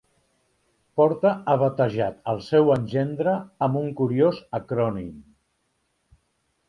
Porta ha batejat el seu engendre amb un curiós acrònim.